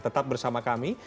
tetap bersama kami